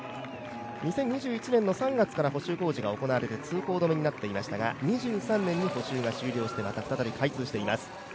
２０２１年の３月から補修工事が行われて、通行止めになっていましたが２３年に補修が終了して、また再び開通しています。